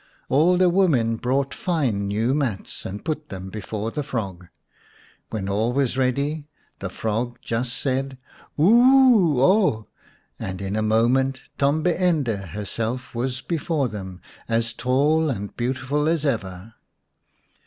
All the women brought fine new mats and put them before the frog. When all was ready the frog just said, " Woo oo oh !" and in a moment Tombi ende herself was before them, as tall and beautiful as ever.